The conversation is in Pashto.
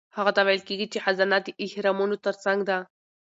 هغه ته ویل کیږي چې خزانه د اهرامونو ترڅنګ ده.